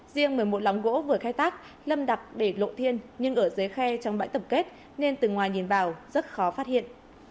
riêng một mươi một lóng gỗ vừa khai thác lâm đặc để lộ thiên nhưng ở dưới khe trong bãi tập kết nên từ ngoài nhìn vào rất khó phát hiện